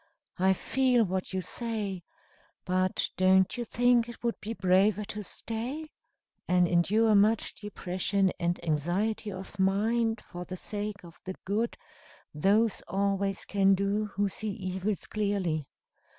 I feel what you say; but don't you think it would be braver to stay, and endure much depression and anxiety of mind, for the sake of the good those always can do who see evils clearly.